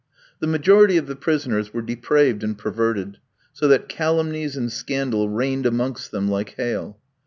The majority of the prisoners were depraved and perverted, so that calumnies and scandal rained amongst them like hail.